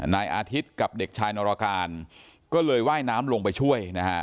นายอาทิตย์กับเด็กชายนรการก็เลยว่ายน้ำลงไปช่วยนะฮะ